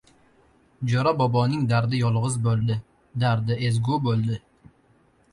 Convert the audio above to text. Jo‘ra boboning dardi yolg‘iz bo‘ldi, dardi ezgu bo‘ldi: